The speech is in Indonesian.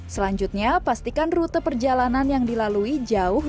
selanjutnya pastikan rute perjalanan yang dilalui jauh